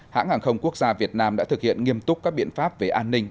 hãng hàng không quốc gia việt nam đã thực hiện nghiêm túc các biện pháp về an ninh